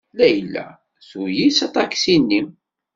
Layla tuli s aṭaksi-nni.